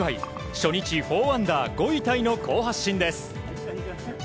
初日、４アンダー５位タイの好発進です。